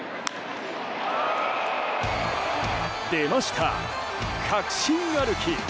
出ました、確信歩き。